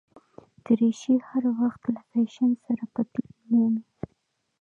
دریشي هر وخت له فېشن سره بدلون مومي.